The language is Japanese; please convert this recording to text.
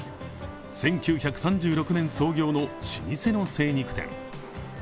１９３６年創業の老舗の精肉店。